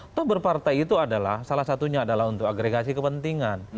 atau berpartai itu adalah salah satunya adalah untuk agregasi kepentingan